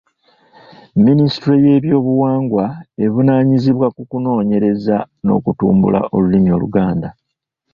Minisitule y'eby'obuwangwa evunaanyizibwa ku kunoonyereza n’okutumbula olulimi Oluganda.